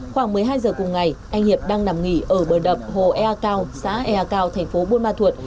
khoảng một mươi hai giờ cùng ngày anh hiệp đang nằm nghỉ ở bờ đập hồ ea cao xã ea cao thành phố buôn ma thuột